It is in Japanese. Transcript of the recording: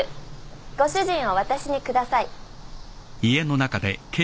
ご主人を私に下さい。